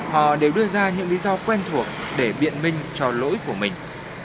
họ đều đưa ra những lý do quen thuộc để biện minh cho lỗi của mình